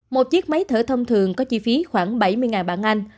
một chiếc máy thở thông thường có chi phí khoảng bảy mươi bạn anh